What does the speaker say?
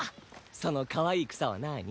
そのかわいい草はなあに？